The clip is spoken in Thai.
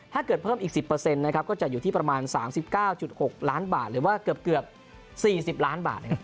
ถ้าเกิดเพิ่มอีก๑๐ก็จะอยู่ที่ประมาณ๓๙๖ล้านบาทหรือว่าเกือบ๔๐ล้านบาท